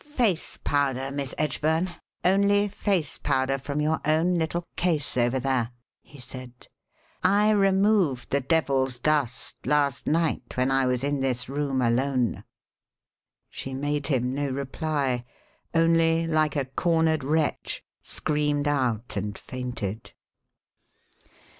"Face powder, Miss Edgburn, only face powder from your own little case over there," he said. "I removed the devil's dust last night when I was in this room alone." She made him no reply only, like a cornered wretch, screamed out and fainted.